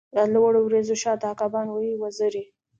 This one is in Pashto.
لادلوړو وریځو شاته، عقابان وهی وزری